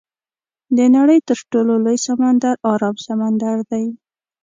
د نړۍ تر ټولو لوی سمندر ارام سمندر دی.